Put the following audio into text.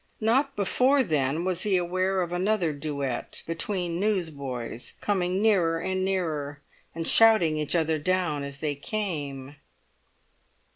Not before then was he aware of another duet between newsboys coming nearer and nearer, and shouting each other down as they came.